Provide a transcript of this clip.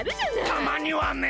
たまにはね！